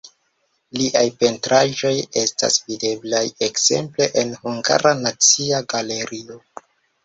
Liaj pentraĵoj estas videblaj ekzemple en Hungara Nacia Galerio.